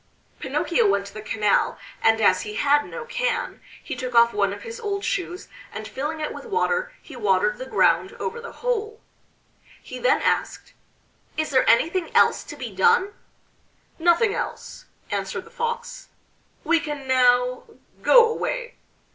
Pinocchio went to the canal, and as he had no can he took off one of his old shoes and filling it with water he watered the ground over the hole. He then asked: "Is there anything else to be done?" "Nothing else," answered the Fox. "We can now go away.